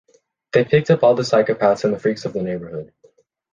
They picked up all the psychopaths and freaks of the neighborhood.